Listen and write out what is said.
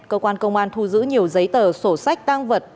cơ quan công an thu giữ nhiều giấy tờ sổ sách tăng vật